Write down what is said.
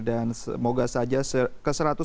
dan semoga saja ke satu ratus sembilan belas